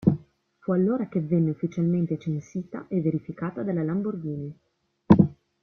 Fu allora che venne ufficialmente censita e verificata dalla Lamborghini.